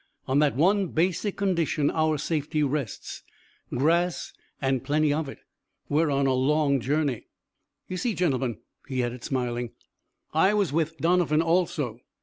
On that one basic condition our safety rests grass and plenty of it. We're on a long journey. "You see, gentlemen," he added, smiling, "I was with Doniphan also.